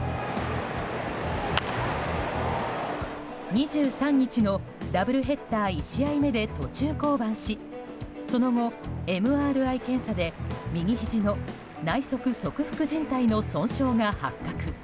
２３日のダブルヘッダー１試合目で途中降板しその後、ＭＲＩ検査で右ひじの内側側副じん帯の損傷が発覚。